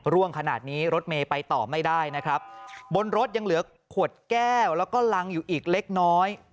ร่วงขนาดนี้รถเมย์ไปต่อไม่ได้นะครับบนรถยังเหลือขวดแก้วแล้วก็รังอยู่อีกเล็กน้อย